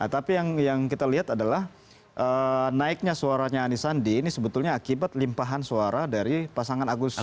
tapi yang kita lihat adalah naiknya suaranya anies sandi ini sebetulnya akibat limpahan suara dari pasangan agus